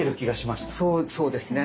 そうですね